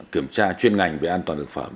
kiểm tra chuyên ngành về an toàn thực phẩm